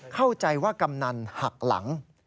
เข้าใจว่ากำนันหักหลัง